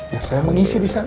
ya saya mengisi di sana